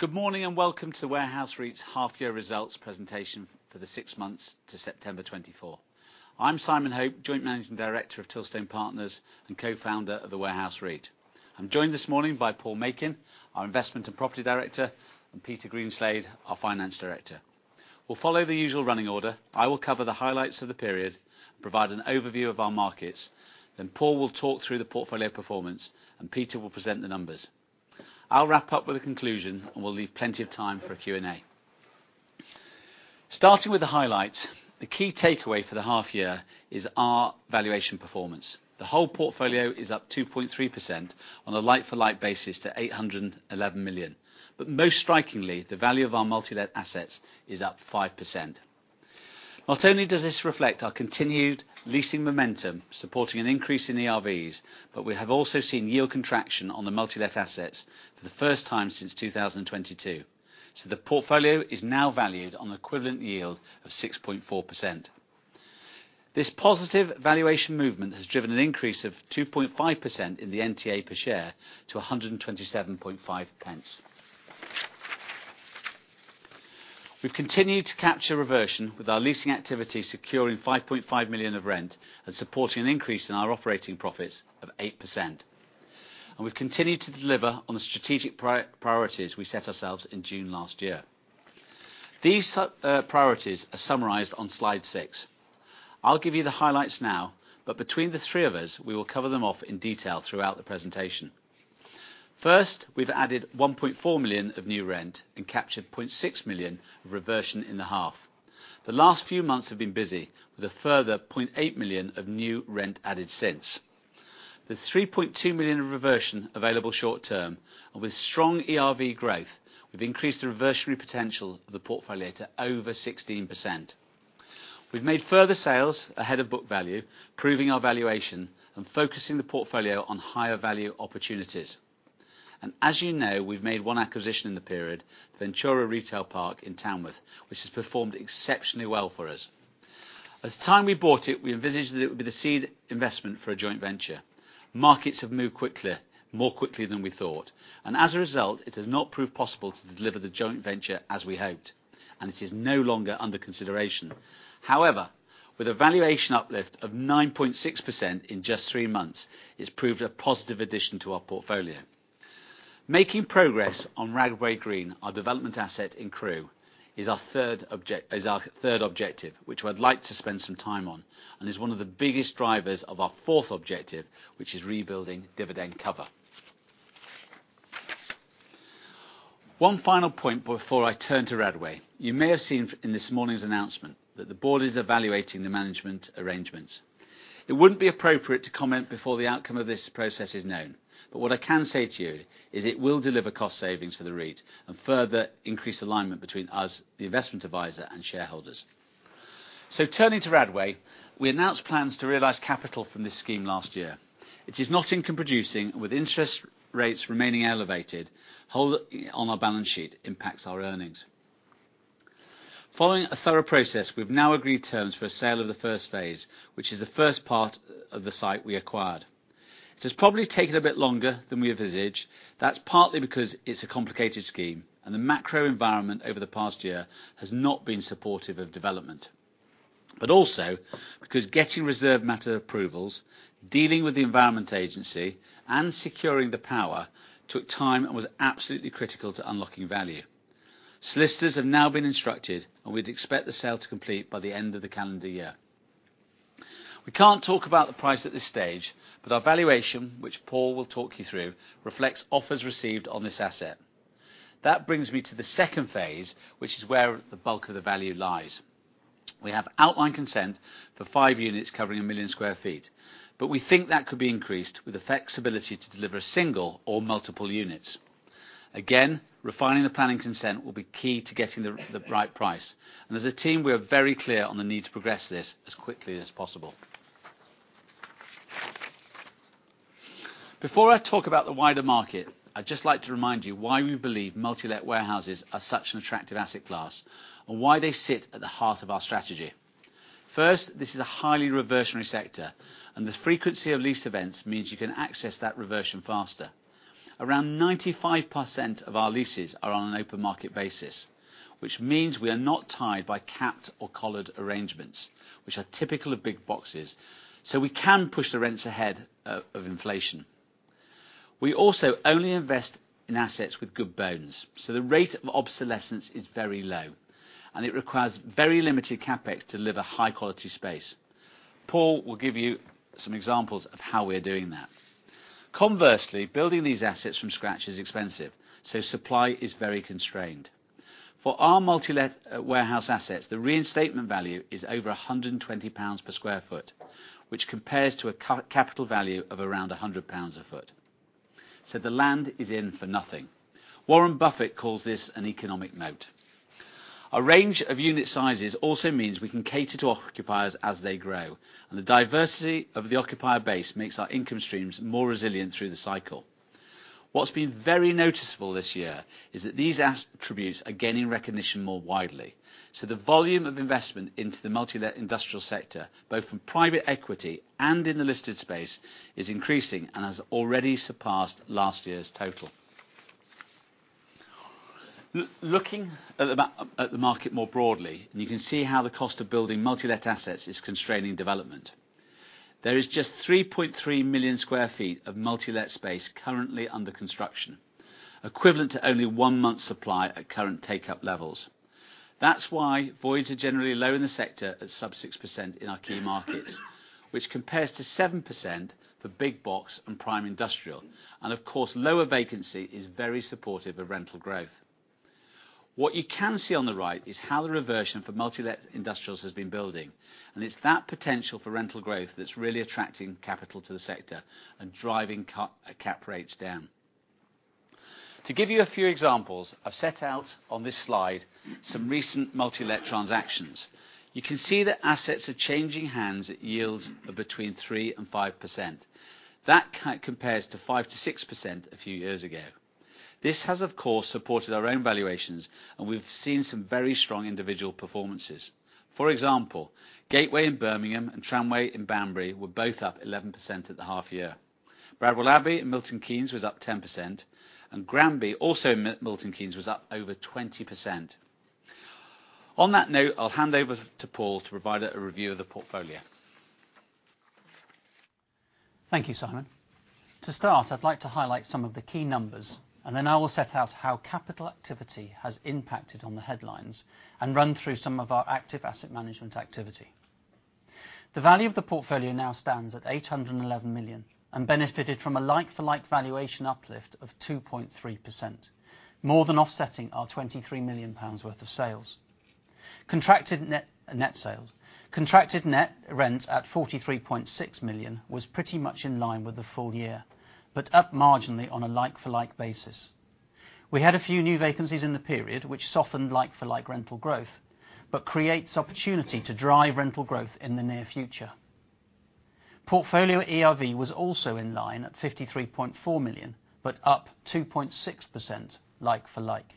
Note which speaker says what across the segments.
Speaker 1: Good morning and Welcome to Warehouse REIT's half-year results presentation for the six months to September 24. I'm Simon Hope, Joint Managing Director of Tilstone Partners and co-founder of the Warehouse REIT. I'm joined this morning by Paul Makin, our Investment and Property Director, and Peter Greenslade, our Finance Director. We'll follow the usual running order. I will cover the highlights of the period, provide an overview of our markets, then Paul will talk through the portfolio performance, and Peter will present the numbers. I'll wrap up with a conclusion, and we'll leave plenty of time for a Q&A. Starting with the highlights, the key takeaway for the half-year is our valuation performance. The whole portfolio is up 2.3% on a like-for-like basis to 811 million. But most strikingly, the value of our multi-let assets is up 5%. Not only does this reflect our continued leasing momentum supporting an increase in ERVs, but we have also seen yield contraction on the multi-let assets for the first time since 2022. So the portfolio is now valued on an equivalent yield of 6.4%. This positive valuation movement has driven an increase of 2.5% in the NTA per share to 127.5p. We've continued to capture reversion with our leasing activity securing 5.5 million of rent and supporting an increase in our operating profits of 8%. And we've continued to deliver on the strategic priorities we set ourselves in June last year. These priorities are summarized on slide six. I'll give you the highlights now, but between the three of us, we will cover them off in detail throughout the presentation. First, we've added 1.4 million of new rent and captured 0.6 million of reversion in the half. The last few months have been busy with a further 0.8 million of new rent added since. The 3.2 million of reversion available short-term, and with strong ERV growth, we've increased the reversionary potential of the portfolio to over 16%. We've made further sales ahead of book value, proving our valuation and focusing the portfolio on higher value opportunities. And as you know, we've made one acquisition in the period, Ventura Retail Park in Tamworth, which has performed exceptionally well for us. At the time we bought it, we envisaged that it would be the seed investment for a joint venture. Markets have moved quickly, more quickly than we thought. And as a result, it has not proved possible to deliver the joint venture as we hoped, and it is no longer under consideration. However, with a valuation uplift of 9.6% in just three months, it's proved a positive addition to our portfolio. Making progress on Radway Green, our development asset in Crewe, is our third objective, which I'd like to spend some time on, and is one of the biggest drivers of our fourth objective, which is rebuilding dividend cover. One final point before I turn to Radway. You may have seen in this morning's announcement that the board is evaluating the management arrangements. It wouldn't be appropriate to comment before the outcome of this process is known, but what I can say to you is it will deliver cost savings for the REIT and further increase alignment between us, the investment advisor, and shareholders. So turning to Radway, we announced plans to realize capital from this scheme last year. It is not income-producing, and with interest rates remaining elevated, holding on our balance sheet impacts our earnings. Following a thorough process, we've now agreed terms for a sale of the first phase, which is the first part of the site we acquired. It has probably taken a bit longer than we envisaged. That's partly because it's a complicated scheme, and the macro environment over the past year has not been supportive of development. But also because getting reserved matters approvals, dealing with the Environment Agency, and securing the power took time and was absolutely critical to unlocking value. Solicitors have now been instructed, and we'd expect the sale to complete by the end of the calendar year. We can't talk about the price at this stage, but our valuation, which Paul will talk you through, reflects offers received on this asset. That brings me to the second phase, which is where the bulk of the value lies. We have outline consent for five units covering 1 million sq ft, but we think that could be increased with the flexibility to deliver a single or multiple units. Again, refining the planning consent will be key to getting the right price. And as a team, we are very clear on the need to progress this as quickly as possible. Before I talk about the wider market, I'd just like to remind you why we believe multi-let warehouses are such an attractive asset class and why they sit at the heart of our strategy. First, this is a highly reversionary sector, and the frequency of lease events means you can access that reversion faster. Around 95% of our leases are on an open market basis, which means we are not tied by capped or collared arrangements, which are typical of big boxes, so we can push the rents ahead of inflation. We also only invest in assets with good bones, so the rate of obsolescence is very low, and it requires very limited CapEx to deliver high-quality space. Paul will give you some examples of how we are doing that. Conversely, building these assets from scratch is expensive, so supply is very constrained. For our multi-let warehouse assets, the reinstatement value is over 120 pounds per sq ft, which compares to a capital value of around 100 pounds a sq ft. So the land is in for nothing. Warren Buffett calls this an economic moat. A range of unit sizes also means we can cater to occupiers as they grow, and the diversity of the occupier base makes our income streams more resilient through the cycle. What's been very noticeable this year is that these attributes are gaining recognition more widely. So the volume of investment into the multi-let industrial sector, both from private equity and in the listed space, is increasing and has already surpassed last year's total. Looking at the market more broadly, you can see how the cost of building multi-let assets is constraining development. There is just 3.3 million sq ft of multi-let space currently under construction, equivalent to only one month's supply at current take-up levels. That's why voids are generally low in the sector at sub-6% in our key markets, which compares to 7% for big box and prime industrial. And of course, lower vacancy is very supportive of rental growth. What you can see on the right is how the reversion for multi-let industrials has been building, and it's that potential for rental growth that's really attracting capital to the sector and driving cap rates down. To give you a few examples, I've set out on this slide some recent multi-let transactions. You can see that assets are changing hands at yields of between 3% and 5%. That compares to 5%-6% a few years ago. This has, of course, supported our own valuations, and we've seen some very strong individual performances. For example, Gateway in Birmingham and Tramway in Banbury were both up 11% at the half-year. Bradwell Abbey in Milton Keynes was up 10%, and Granby also in Milton Keynes was up over 20%. On that note, I'll hand over to Paul to provide a review of the portfolio.
Speaker 2: Thank you, Simon. To start, I'd like to highlight some of the key numbers, and then I will set out how capital activity has impacted on the headlines and run through some of our active asset management activity. The value of the portfolio now stands at 811 million and benefited from a like-for-like valuation uplift of 2.3%, more than offsetting our 23 million pounds worth of sales. Contracted net sales, contracted net rents at 43.6 million was pretty much in line with the full year, but up marginally on a like-for-like basis. We had a few new vacancies in the period, which softened like-for-like rental growth, but creates opportunity to drive rental growth in the near future. Portfolio ERV was also in line at 53.4 million, but up 2.6% like-for-like.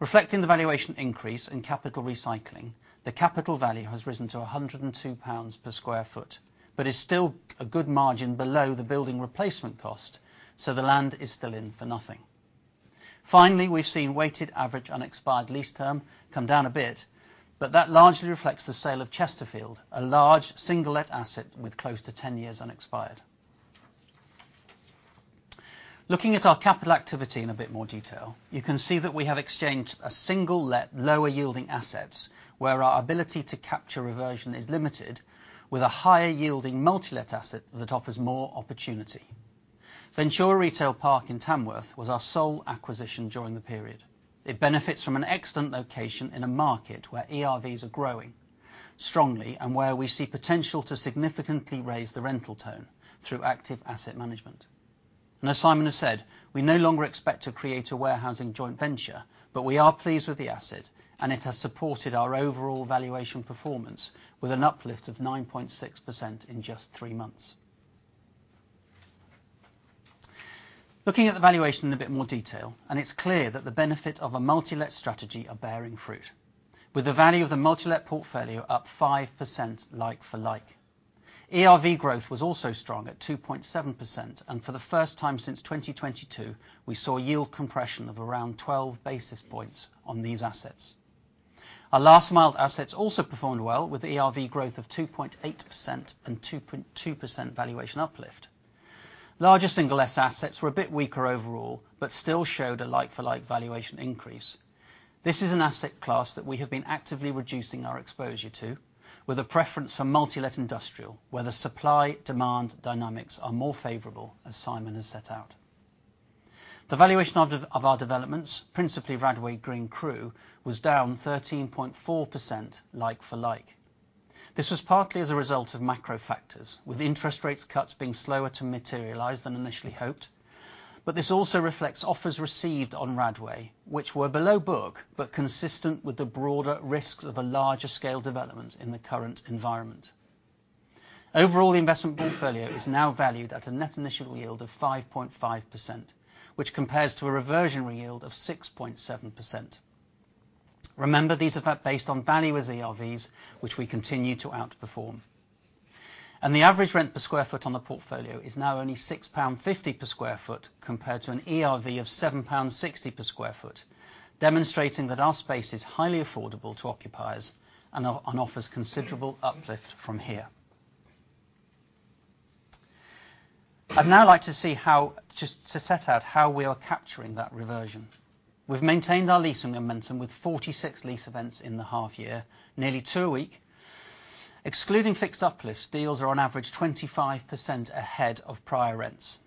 Speaker 2: Reflecting the valuation increase and capital recycling, the capital value has risen to 102 pounds per sq ft, but is still a good margin below the building replacement cost, so the land is still in for nothing. Finally, we've seen weighted average unexpired lease term come down a bit, but that largely reflects the sale of Chesterfield, a large single-let asset with close to 10 years unexpired. Looking at our capital activity in a bit more detail, you can see that we have exchanged a single-let lower-yielding assets where our ability to capture reversion is limited, with a higher-yielding multi-let asset that offers more opportunity. Ventura Retail Park in Tamworth was our sole acquisition during the period. It benefits from an excellent location in a market where ERVs are growing strongly and where we see potential to significantly raise the rental tone through active asset management. As Simon has said, we no longer expect to create a warehousing joint venture, but we are pleased with the asset, and it has supported our overall valuation performance with an uplift of 9.6% in just three months. Looking at the valuation in a bit more detail. It's clear that the benefit of a multi-let strategy is bearing fruit, with the value of the multi-let portfolio up 5% like-for-like. ERV growth was also strong at 2.7%, and for the first time since 2022, we saw yield compression of around 12 basis points on these assets. Our last-mile assets also performed well, with ERV growth of 2.8% and 2.2% valuation uplift. Larger single-let assets were a bit weaker overall, but still showed a like-for-like valuation increase. This is an asset class that we have been actively reducing our exposure to, with a preference for multi-let industrial, where the supply-demand dynamics are more favorable, as Simon has set out. The valuation of our developments, principally Radway Green, Crewe, was down 13.4% like-for-like. This was partly as a result of macro factors, with interest rate cuts being slower to materialize than initially hoped. But this also reflects offers received on Radway Green, which were below book, but consistent with the broader risks of a larger-scale development in the current environment. Overall, the investment portfolio is now valued at a net initial yield of 5.5%, which compares to a reversionary yield of 6.7%. Remember, these are based on valuers' ERVs, which we continue to outperform. The average rent per square foot on the portfolio is now only 6.50 pound per sq ft compared to an ERV of 7.60 pound per sq ft, demonstrating that our space is highly affordable to occupiers and offers considerable uplift from here. I'd now like to set out how we are capturing that reversion. We've maintained our leasing momentum with 46 lease events in the half-year, nearly two a week. Excluding fixed uplifts, deals are on average 25% ahead of prior rents.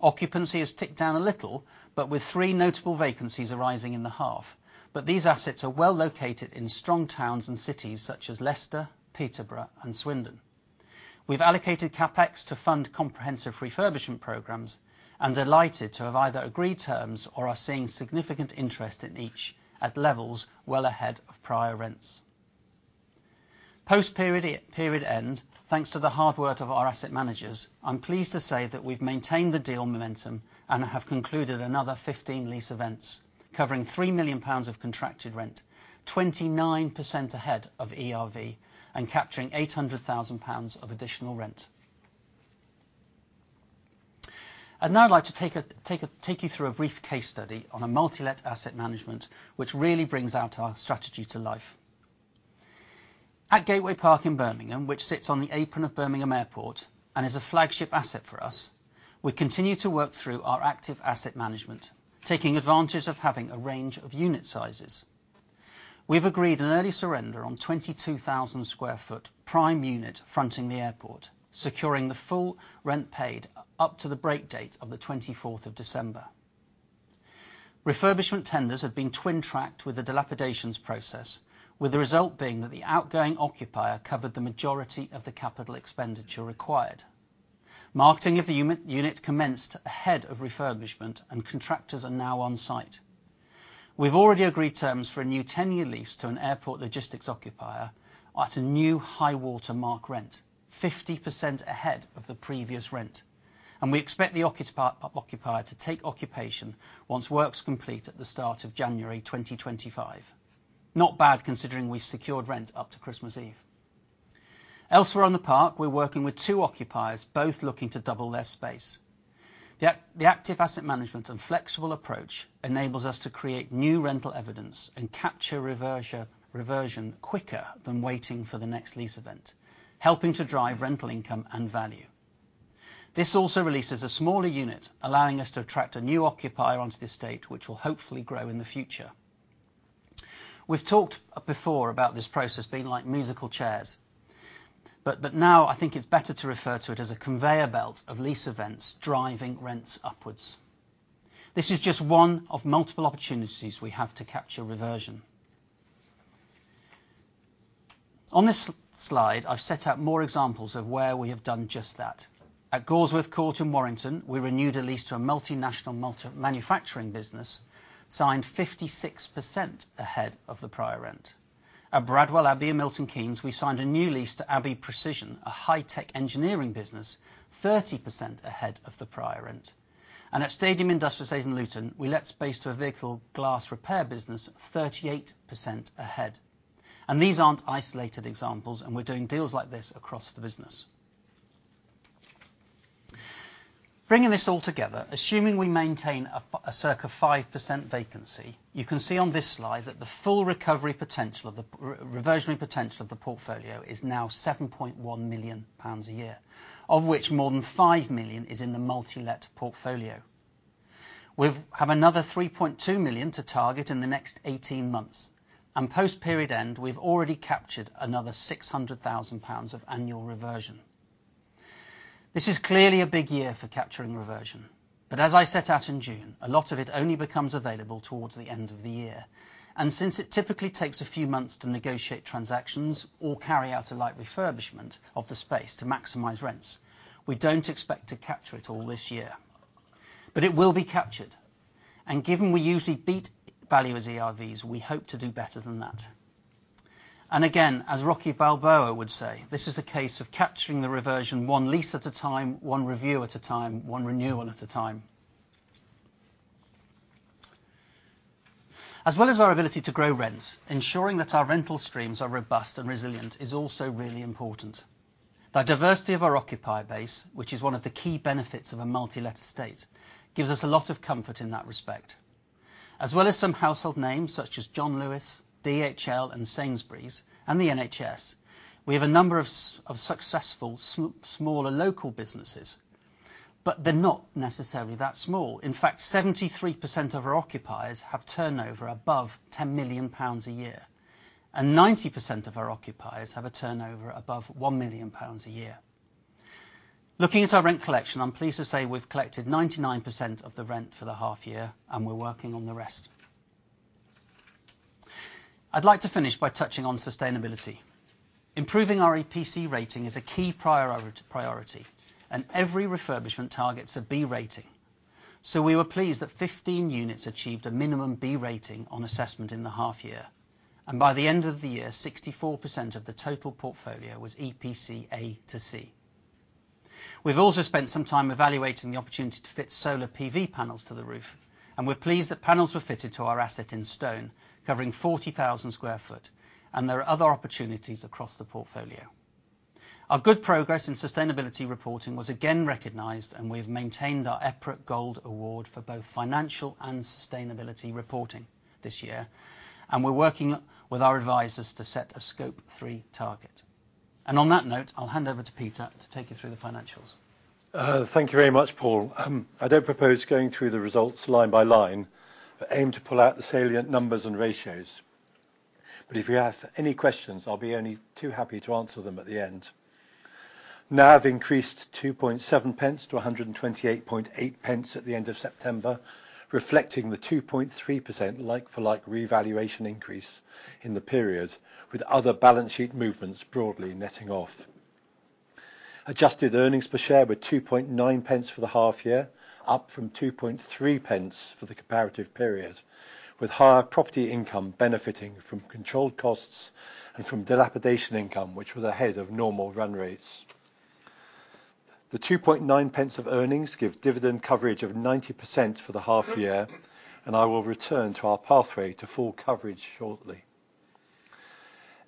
Speaker 2: Occupancy has ticked down a little, but with three notable vacancies arising in the half. But these assets are well located in strong towns and cities such as Leicester, Peterborough, and Swindon. We've allocated CapEx to fund comprehensive refurbishment programs and delighted to have either agreed terms or are seeing significant interest in each at levels well ahead of prior rents. Post-period end, thanks to the hard work of our asset managers, I'm pleased to say that we've maintained the deal momentum and have concluded another 15 lease events, covering 3 million pounds of contracted rent, 29% ahead of ERV, and capturing 800,000 pounds of additional rent. I'd now like to take you through a brief case study on a multi-let asset management, which really brings our strategy to life. At Gateway Park in Birmingham, which sits on the apron of Birmingham Airport and is a flagship asset for us, we continue to work through our active asset management, taking advantage of having a range of unit sizes. We've agreed an early surrender on 22,000 sq ft prime unit fronting the airport, securing the full rent paid up to the break date of the 24th of December. Refurbishment tenders have been twin-tracked with the dilapidations process, with the result being that the outgoing occupier covered the majority of the capital expenditure required. Marketing of the unit commenced ahead of refurbishment, and contractors are now on site. We've already agreed terms for a new 10-year lease to an airport logistics occupier at a new high-water mark rent, 50% ahead of the previous rent, and we expect the occupier to take occupation once works complete at the start of January 2025. Not bad, considering we secured rent up to Christmas Eve. Elsewhere on the park, we're working with two occupiers, both looking to double their space. The active asset management and flexible approach enables us to create new rental evidence and capture reversion quicker than waiting for the next lease event, helping to drive rental income and value. This also releases a smaller unit, allowing us to attract a new occupier onto the estate, which will hopefully grow in the future. We've talked before about this process being like musical chairs, but now I think it's better to refer to it as a conveyor belt of lease events driving rents upwards. This is just one of multiple opportunities we have to capture reversion. On this slide, I've set out more examples of where we have done just that. At Gawsworth Court in Warrington, we renewed a lease to a multinational manufacturing business, signed 56% ahead of the prior rent. At Bradwell Abbey in Milton Keynes, we signed a new lease to Abbey Precision, a high-tech engineering business, 30% ahead of the prior rent. And at Stadium Industrial Estate in Luton, we let space to a vehicle glass repair business, 38% ahead. These aren't isolated examples, and we're doing deals like this across the business. Bringing this all together, assuming we maintain a circa 5% vacancy, you can see on this slide that the full reversionary potential of the portfolio is now 7.1 million pounds a year, of which more than 5 million is in the multi-let portfolio. We have another 3.2 million to target in the next 18 months. Post-period end, we've already captured another 600,000 pounds of annual reversion. This is clearly a big year for capturing reversion, but as I set out in June, a lot of it only becomes available towards the end of the year. Since it typically takes a few months to negotiate transactions or carry out a light refurbishment of the space to maximize rents, we don't expect to capture it all this year. It will be captured. Given we usually beat valuers' ERVs, we hope to do better than that. Again, as Rocky Balboa would say, this is a case of capturing the reversion one lease at a time, one review at a time, one renewal at a time. As well as our ability to grow rents, ensuring that our rental streams are robust and resilient is also really important. The diversity of our occupier base, which is one of the key benefits of a multi-let estate, gives us a lot of comfort in that respect. As well as some household names such as John Lewis, DHL, and Sainsbury's, and the NHS, we have a number of successful smaller local businesses, but they're not necessarily that small. In fact, 73% of our occupiers have turnover above 10 million pounds a year, and 90% of our occupiers have a turnover above 1 million pounds a year. Looking at our rent collection, I'm pleased to say we've collected 99% of the rent for the half-year, and we're working on the rest. I'd like to finish by touching on sustainability. Improving our EPC rating is a key prior priority, and every refurbishment targets a B rating. So we were pleased that 15 units achieved a minimum B rating on assessment in the half-year. And by the end of the year, 64% of the total portfolio was EPC A to C. We've also spent some time evaluating the opportunity to fit solar PV panels to the roof, and we're pleased that panels were fitted to our asset in Stone, covering 40,000 sq ft, and there are other opportunities across the portfolio. Our good progress in sustainability reporting was again recognized, and we've maintained our EPRA Gold Award for both financial and sustainability reporting this year, and we're working with our advisors to set a Scope 3 target, and on that note, I'll hand over to Peter to take you through the financials.
Speaker 3: Thank you very much, Paul. I don't propose going through the results line by line, but aim to pull out the salient numbers and ratios. But if you have any questions, I'll be only too happy to answer them at the end. NAV increased GBP 0.027p - GBP 1.288p at the end of September, reflecting the 2.3% like-for-like revaluation increase in the period, with other balance sheet movements broadly netting off. Adjusted earnings per share were GBP 0.029p for the half-year, up from GBP 0.023p for the comparative period, with higher property income benefiting from controlled costs and from dilapidation income, which was ahead of normal run rates. The GBP 0.029p of earnings give dividend coverage of 90% for the half-year, and I will return to our pathway to full coverage shortly.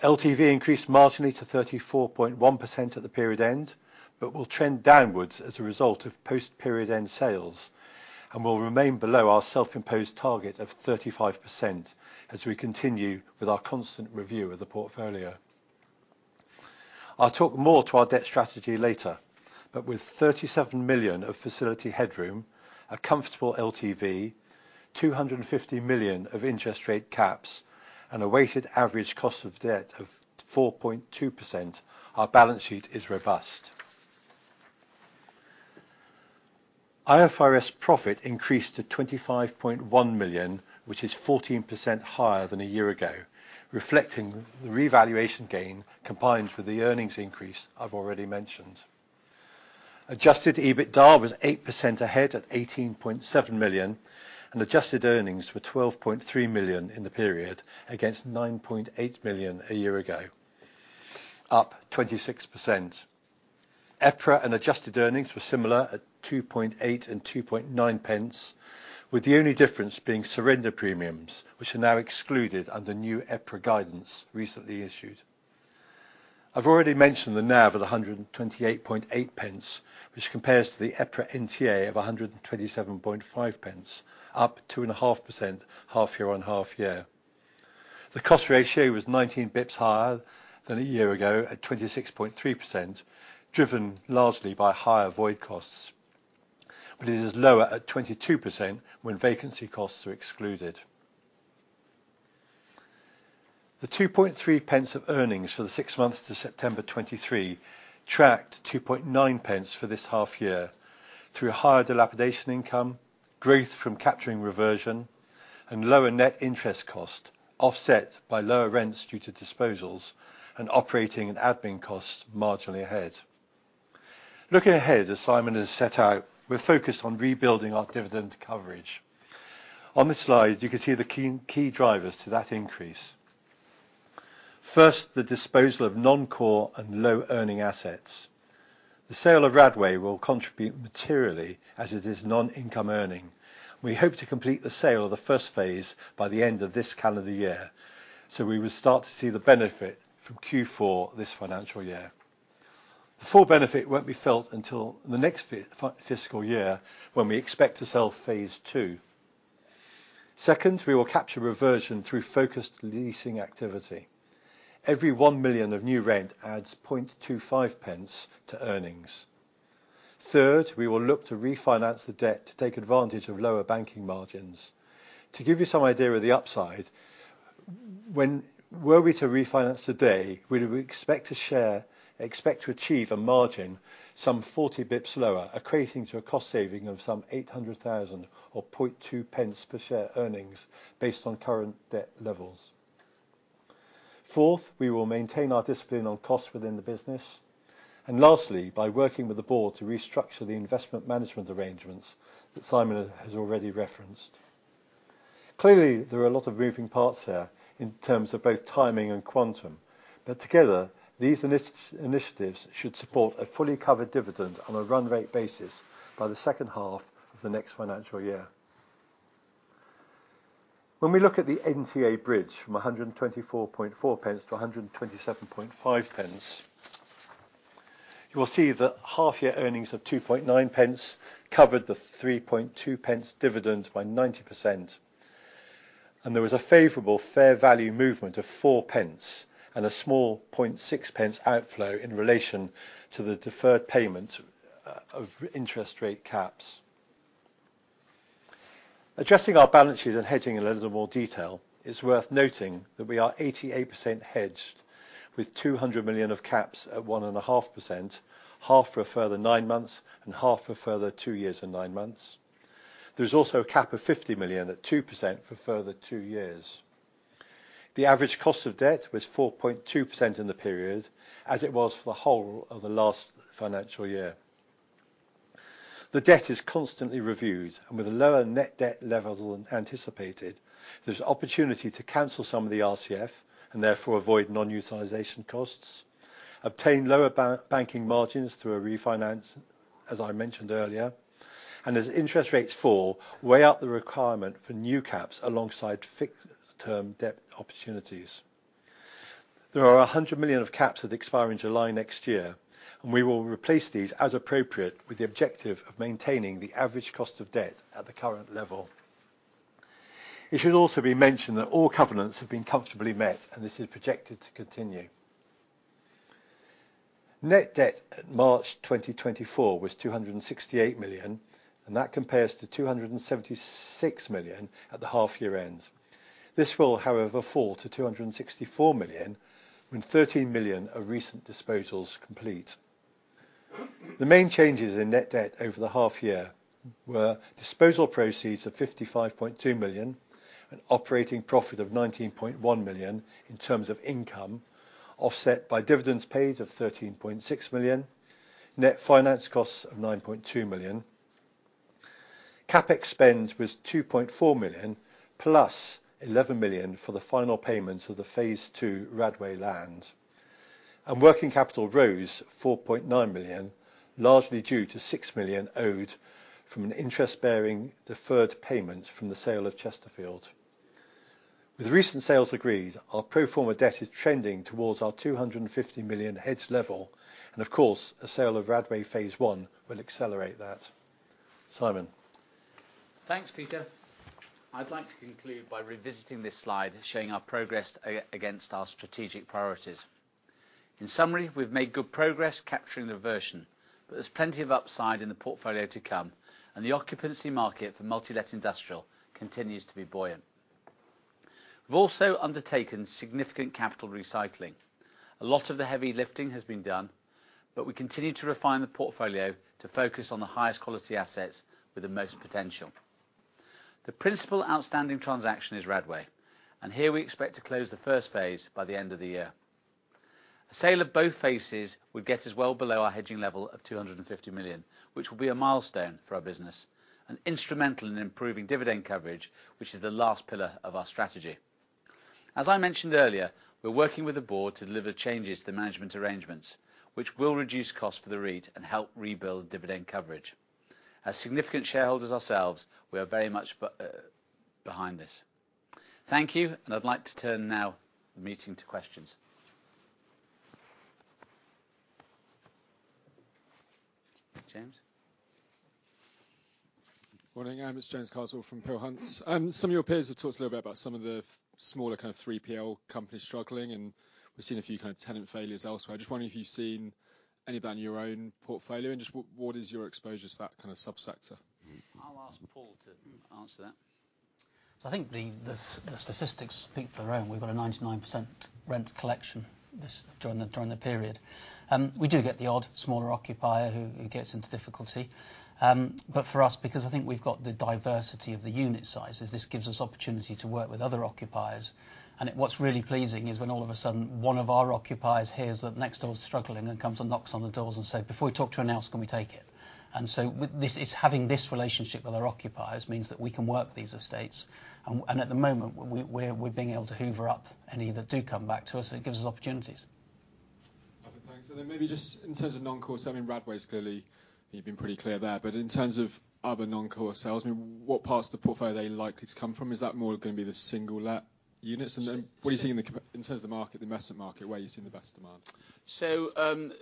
Speaker 3: LTV increased marginally to 34.1% at the period end, but will trend downwards as a result of post-period end sales, and will remain below our self-imposed target of 35% as we continue with our constant review of the portfolio. I'll talk more to our debt strategy later, but with 37 million of facility headroom, a comfortable LTV, 250 million of interest rate caps, and a weighted average cost of debt of 4.2%, our balance sheet is robust. IFRS profit increased to 25.1 million, which is 14% higher than a year ago, reflecting the revaluation gain combined with the earnings increase I've already mentioned. Adjusted EBITDA was 8% ahead at 18.7 million, and adjusted earnings were 12.3 million in the period against 9.8 million a year ago, up 26%. EPRA and adjusted earnings were similar at 2.8p and 2.9p, with the only difference being surrender premiums, which are now excluded under new EPRA guidance recently issued. I've already mentioned the NAV at 128.8p, which compares to the EPRA NTA of 127.5p, up 2.5% half-year on half-year. The cost ratio was 19 basis points higher than a year ago at 26.3%, driven largely by higher void costs, but it is lower at 22% when vacancy costs are excluded. The 2.3p of earnings for the six months to September 2023 tracked 2.9p for this half-year through higher dilapidation income, growth from capturing reversion, and lower net interest cost, offset by lower rents due to disposals and operating and admin costs marginally ahead. Looking ahead as Simon has set out, we're focused on rebuilding our dividend coverage. On this slide, you can see the key drivers to that increase. First, the disposal of non-core and low-earning assets. The sale of Radway Green will contribute materially as it is non-income earning. We hope to complete the sale of the first phase by the end of this calendar year, so we will start to see the benefit from Q4 this financial year. The full benefit won't be felt until the next fiscal year when we expect to sell phase two. Second, we will capture reversion through focused leasing activity. Every 1 million of new rent adds 2.5p to earnings. Third, we will look to refinance the debt to take advantage of lower banking margins. To give you some idea of the upside, were we to refinance today, we would expect to achieve a margin some 40 basis points lower, according to a cost saving of some 800,000 or 0.2p per share earnings based on current debt levels. Fourth, we will maintain our discipline on costs within the business. And lastly, by working with the board to restructure the investment management arrangements that Simon has already referenced. Clearly, there are a lot of moving parts here in terms of both timing and quantum, but together, these initiatives should support a fully covered dividend on a run rate basis by the second half of the next financial year. When we look at the NTA bridge from 124.4p-127.5p, you will see that half-year earnings of 2.9p covered the 3.2p dividend by 90%. And there was a favorable fair value movement of 4p and a small 0.6p outflow in relation to the deferred payment of interest rate caps. Adjusting our balance sheet and hedging in a little more detail, it's worth noting that we are 88% hedged with 200 million of caps at 1.5%, half for a further nine months and half for a further two years and nine months. There is also a cap of 50 million at 2% for further two years. The average cost of debt was 4.2% in the period, as it was for the whole of the last financial year. The debt is constantly reviewed, and with lower net debt levels than anticipated, there's opportunity to cancel some of the RCF and therefore avoid non-utilization costs, obtain lower banking margins through a refinance, as I mentioned earlier, and as interest rates fall, weigh up the requirement for new caps alongside fixed-term debt opportunities. There are 100 million of caps that expire in July next year, and we will replace these as appropriate with the objective of maintaining the average cost of debt at the current level. It should also be mentioned that all covenants have been comfortably met, and this is projected to continue. Net debt at March 2024 was 268 million, and that compares to 276 million at the half-year end. This will, however, fall to 264 million when 13 million of recent disposals complete. The main changes in net debt over the half-year were disposal proceeds of 55.2 million and operating profit of 19.1 million in terms of income, offset by dividends paid of 13.6 million, net finance costs of 9.2 million. CapEx spend was 2.4 million plus 11 million for the final payments of the phase two Radway land. Working capital rose 4.9 million, largely due to 6 million owed from an interest-bearing deferred payment from the sale of Chesterfield. With recent sales agreed, our pro forma debt is trending towards our 250 million hedge level, and of course, a sale of Radway phase one will accelerate that. Simon.
Speaker 1: Thanks, Peter. I'd like to conclude by revisiting this slide showing our progress against our strategic priorities. In summary, we've made good progress capturing the reversion, but there's plenty of upside in the portfolio to come, and the occupancy market for multi-let industrial continues to be buoyant. We've also undertaken significant capital recycling. A lot of the heavy lifting has been done, but we continue to refine the portfolio to focus on the highest quality assets with the most potential. The principal outstanding transaction is Radway Green, and here we expect to close the first phase by the end of the year. A sale of both phases would get us well below our hedging level of 250 million, which will be a milestone for our business and instrumental in improving dividend coverage, which is the last pillar of our strategy. As I mentioned earlier, we're working with the board to deliver changes to the management arrangements, which will reduce costs for the REIT and help rebuild dividend coverage. As significant shareholders ourselves, we are very much behind this. Thank you, and I'd like to now turn the meeting to questions. James.
Speaker 4: Good morning. I'm James Carswell from Peel Hunt. Some of your peers have talked a little bit about some of the smaller kind of 3PL companies struggling, and we've seen a few kind of tenant failures elsewhere. I'm just wondering if you've seen any of that in your own portfolio, and just what is your exposure to that kind of subsector?
Speaker 1: I'll ask Paul to answer that.
Speaker 2: I think the statistics speak for themselves. We've got a 99% rent collection during the period. We do get the odd smaller occupier who gets into difficulty, but for us, because I think we've got the diversity of the unit sizes, this gives us opportunity to work with other occupiers. And what's really pleasing is when all of a sudden one of our occupiers hears that next door is struggling and comes and knocks on the doors and says, "Before we talk to anyone else, can we take it?" And so having this relationship with our occupiers means that we can work these estates. And at the moment, we're being able to hoover up any that do come back to us, and it gives us opportunities.
Speaker 4: Thanks. And then maybe just in terms of non-core selling, Radway has clearly been pretty clear there. But in terms of other non-core sales, what parts of the portfolio are they likely to come from? Is that more going to be the single-let units? And then what are you seeing in terms of the market, the investment market, where are you seeing the best demand?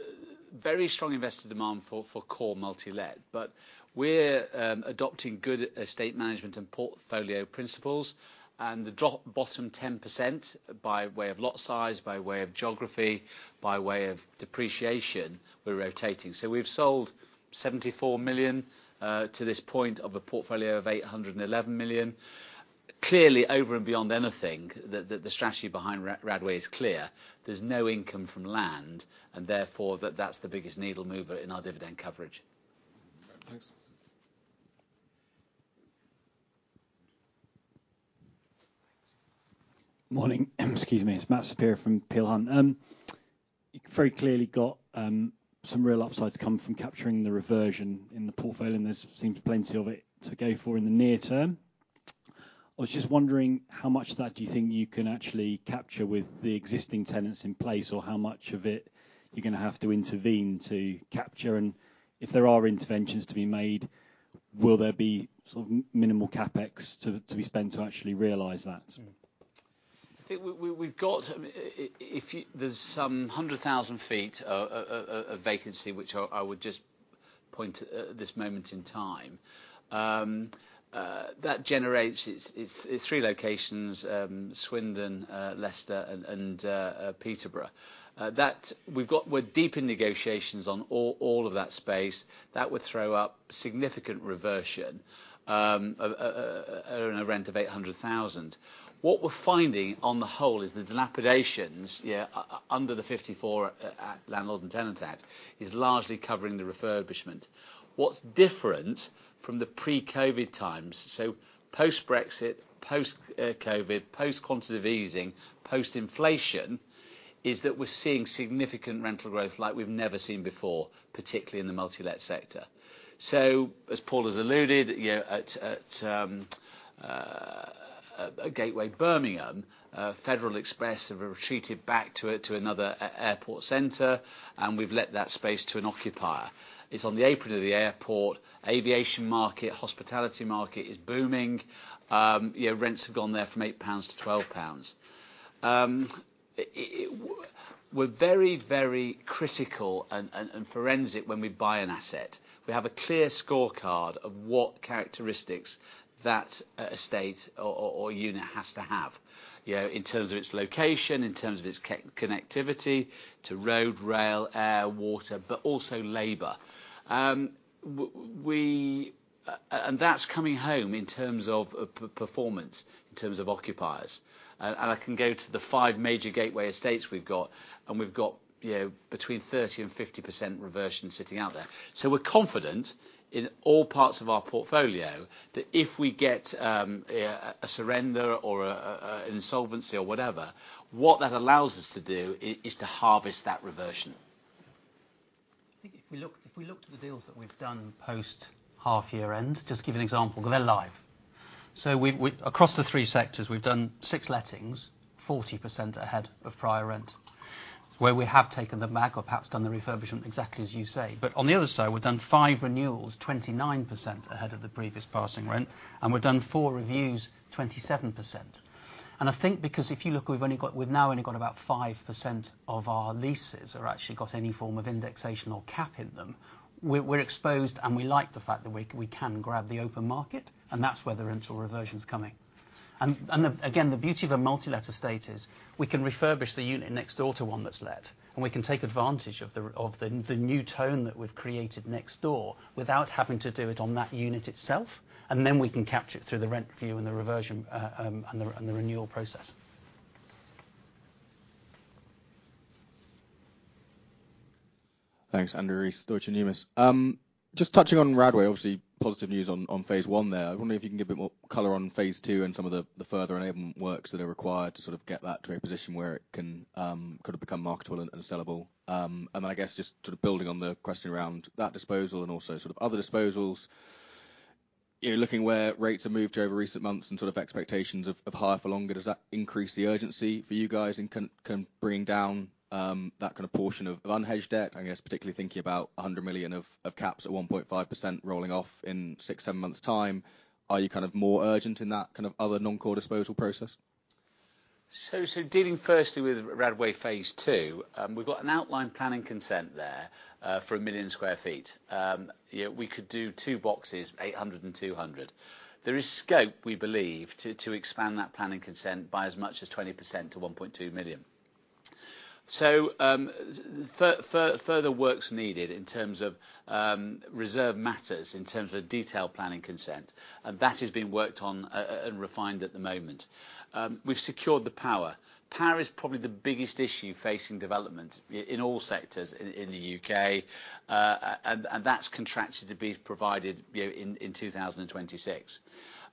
Speaker 1: Very strong investor demand for core multi-let, but we're adopting good estate management and portfolio principles, and the bottom 10% by way of lot size, by way of geography, by way of depreciation, we're rotating. So we've sold 74 million to this point of a portfolio of 811 million. Clearly, over and beyond anything, the strategy behind Radway is clear. There's no income from land, and therefore that's the biggest needle mover in our dividend coverage.
Speaker 4: Thanks.
Speaker 5: Morning. Excuse me. It's Matt Saperia from Peel Hunt. You've very clearly got some real upsides coming from capturing the reversion in the portfolio, and there seems plenty of it to go for in the near term. I was just wondering how much of that do you think you can actually capture with the existing tenants in place, or how much of it you're going to have to intervene to capture? And if there are interventions to be made, will there be sort of minimal CapEx to be spent to actually realize that?
Speaker 2: I think we've got, there's some 100,000 sq ft of vacancy, which I would just point at this moment in time. That generates three locations: Swindon, Leicester, and Peterborough. We're deep in negotiations on all of that space. That would throw up significant reversion on a rent of 800,000. What we're finding on the whole is the dilapidations under the 1954 Landlord and Tenant Act is largely covering the refurbishment. What's different from the pre-COVID times, so post-Brexit, post-COVID, post-quantitative easing, post-inflation, is that we're seeing significant rental growth like we've never seen before, particularly in the multi-let sector. So as Paul has alluded, at Gateway Birmingham, Federal Express have retreated back to another airport center, and we've let that space to an occupier. It's on the apron of the airport. Aviation market, hospitality market is booming. Rents have gone there from 8-12 pounds. We're very, very critical and forensic when we buy an asset. We have a clear scorecard of what characteristics that estate or unit has to have in terms of its location, in terms of its connectivity to road, rail, air, water, but also labor. And that's coming home in terms of performance, in terms of occupiers. And I can go to the five major gateway estates we've got, and we've got between 30% and 50% reversion sitting out there. So we're confident in all parts of our portfolio that if we get a surrender or an insolvency or whatever, what that allows us to do is to harvest that reversion.
Speaker 1: I think if we looked at the deals that we've done post-half-year end, just to give you an example, they're live. So across the three sectors, we've done six lettings, 40% ahead of prior rent, where we have taken them back or perhaps done the refurbishment exactly as you say. But on the other side, we've done five renewals, 29% ahead of the previous passing rent, and we've done four reviews, 27%. And I think because if you look, we've now only got about 5% of our leases that have actually got any form of indexation or cap in them, we're exposed, and we like the fact that we can grab the open market, and that's where the rental reversion's coming. And again, the beauty of a multi-let estate is we can refurbish the unit next door to one that's let, and we can take advantage of the new tenant that we've created next door without having to do it on that unit itself, and then we can capture it through the rent review and the reversion and the renewal process.
Speaker 6: Thanks, Andrew Rees, Deutsche Numis. Just touching on Radway, obviously positive news on phase one there. I wonder if you can give a bit more color on phase two and some of the further enablement works that are required to sort of get that to a position where it could have become marketable and sellable. And then I guess just sort of building on the question around that disposal and also sort of other disposals, looking where rates have moved over recent months and sort of expectations of higher for longer, does that increase the urgency for you guys and can bring down that kind of portion of unhedged debt? I guess particularly thinking about 100 million of caps at 1.5% rolling off in six, seven months' time, are you kind of more urgent in that kind of other non-core disposal process?
Speaker 2: Dealing firstly with Radway phase two, we've got an outline planning consent there for 1 million sq ft. We could do two boxes, 800 and 200. There is scope, we believe, to expand that planning consent by as much as 20% to 1.2 million. Further work's needed in terms of reserved matters, in terms of detailed planning consent, and that is being worked on and refined at the moment. We've secured the power. Power is probably the biggest issue facing development in all sectors in the U.K., and that's contracted to be provided in 2026.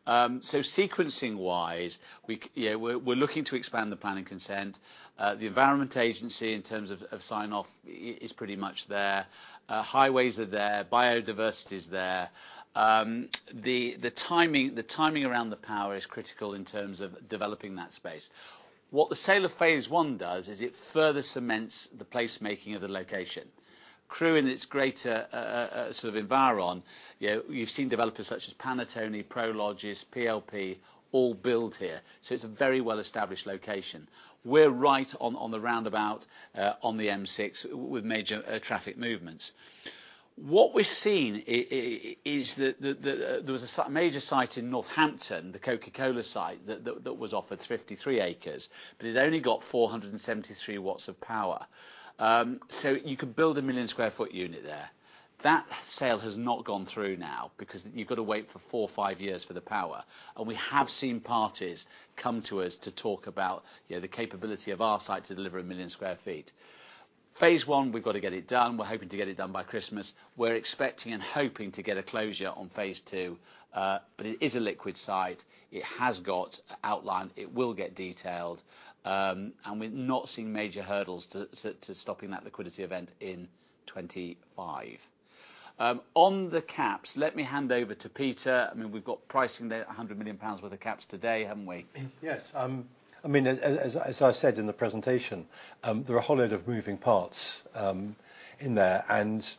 Speaker 2: Sequencing-wise, we're looking to expand the planning consent. The Environment Agency in terms of sign-off is pretty much there. Highways are there. Biodiversity's there. The timing around the power is critical in terms of developing that space. What the sale of phase one does is it further cements the placemaking of the location. Crewe in its greater sort of environment, you've seen developers such as Panattoni, Prologis, PLP, all build here. So it's a very well-established location. We're right on the roundabout on the M6 with major traffic movements. What we've seen is that there was a major site in Northampton, the Coca-Cola site that was offered 53 acres, but it only got 473 W of power. So you could build 1 million sq ft unit there. That sale has not gone through now because you've got to wait for four or five years for the power. And we have seen parties come to us to talk about the capability of our site to deliver 1 million sq ft. Phase one, we've got to get it done. We're hoping to get it done by Christmas. We're expecting and hoping to get a closure on phase two, but it is a liquid site. It has got outline. It will get detailed, and we're not seeing major hurdles to stopping that liquidity event in 2025. On the caps, let me hand over to Peter. I mean, we've got pricing at 100 million pounds worth of caps today, haven't we?
Speaker 3: Yes. I mean, as I said in the presentation, there are a whole load of moving parts in there, and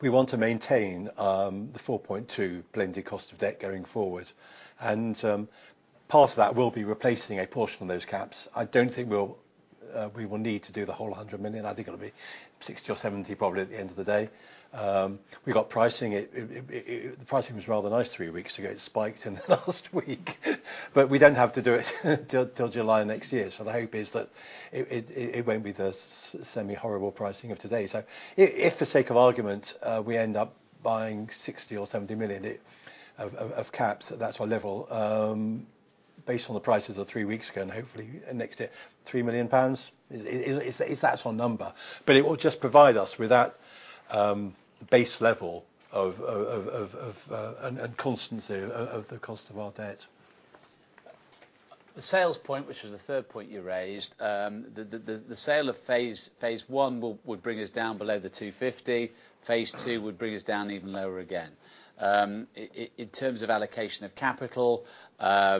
Speaker 3: we want to maintain the 4.2 blended cost of debt going forward. And part of that will be replacing a portion of those caps. I don't think we will need to do the whole 100 million. I think it'll be 60 or 70 probably at the end of the day. We've got pricing. The pricing was rather nice three weeks ago. It spiked in the last week, but we don't have to do it till July next year. So the hope is that it won't be the semi-horrible pricing of today. So if for sake of argument, we end up buying 60 or 70 million of caps, that's our level based on the prices of three weeks ago and hopefully next year, 3 million pounds. It's that sort of number. But it will just provide us with that base level and constancy of the cost of our debt.
Speaker 1: The sales point, which was the third point you raised, the sale of phase one would bring us down below the 250. Phase two would bring us down even lower again. In terms of allocation of capital, share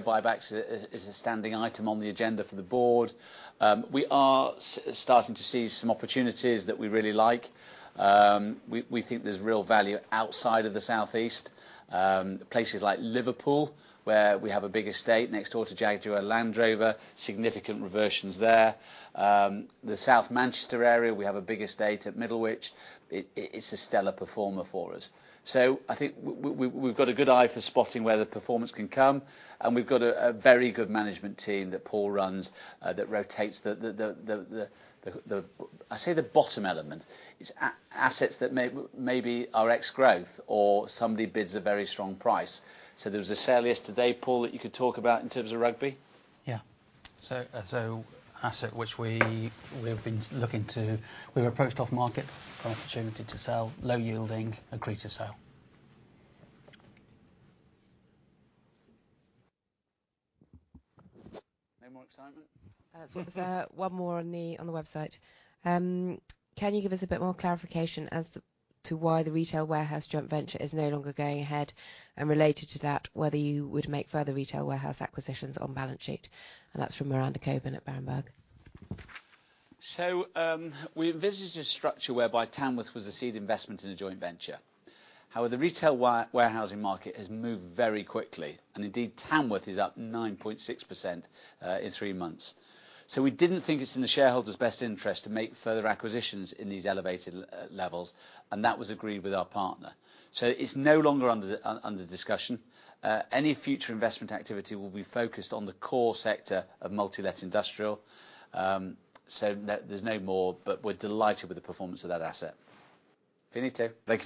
Speaker 1: buybacks is a standing item on the agenda for the board. We are starting to see some opportunities that we really like. We think there's real value outside of the Southeast, places like Liverpool, where we have a big estate next door to Jaguar Land Rover, significant reversions there. The South Manchester area, we have a big estate at Middlewich. It's a stellar performer for us. So I think we've got a good eye for spotting where the performance can come, and we've got a very good management team that Paul runs that rotates the, I say the bottom element, it's assets that maybe are ex-growth or somebody bids a very strong price. So there was a sale yesterday, Paul, that you could talk about in terms of Rugby.
Speaker 2: Yeah. So, asset which we have been looking to, we were approached off market for an opportunity to sell, low yielding, agreed to sell.
Speaker 1: No more excitement.
Speaker 7: One more on the website. Can you give us a bit more clarification as to why the retail warehouse joint venture is no longer going ahead and related to that, whether you would make further retail warehouse acquisitions on balance sheet? And that's from Miranda Cockburn at Berenberg.
Speaker 2: So we envisaged a structure whereby Tamworth was a seed investment in a joint venture. However, the retail warehousing market has moved very quickly, and indeed Tamworth is up 9.6% in three months. So we didn't think it's in the shareholders' best interest to make further acquisitions in these elevated levels, and that was agreed with our partner. So it's no longer under discussion. Any future investment activity will be focused on the core sector of multi-let industrial. So there's no more, but we're delighted with the performance of that asset. Finito.
Speaker 4: Thank you.